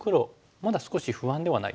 まだ少し不安ではないですか？